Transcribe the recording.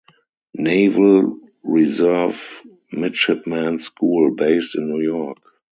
Naval Reserve Midshipmen's School, based in New York.